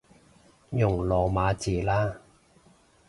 用羅馬字啦